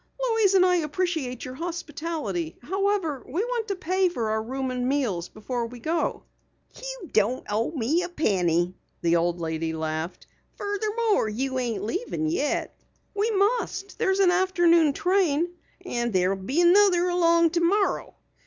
"Louise and I appreciate your hospitality. However, we want to pay for our room and meals before we go." "You don't owe me a penny," the old lady laughed. "Furthermore, you ain't leavin' yet." "We must. There's an afternoon train " "And there'll be another along tomorrow.